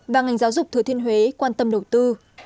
và ngành giáo dục thừa thiên huế quan tâm đầu tư